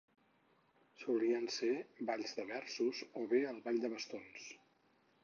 Solien ser balls de versos o bé el ball de bastons.